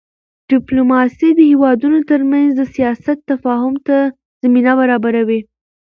ډیپلوماسي د هېوادونو ترمنځ د سیاست تفاهم ته زمینه برابروي.